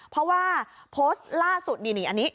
เพราะว่าโพสต์ล่าสุดนี่อันนี้